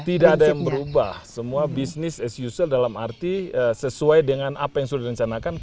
tidak ada yang berubah semua business as usual dalam arti sesuai dengan apa yang sudah direncanakan